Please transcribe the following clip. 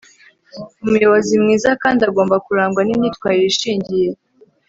umuyobozi mwiza kandi agomba kurangwa n'imyitwarire ishingiye